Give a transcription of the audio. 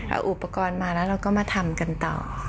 เอาอุปกรณ์มาแล้วเราก็มาทำกันต่อ